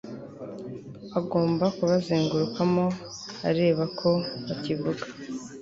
agomba kubazengurukamo areba ko bakivuga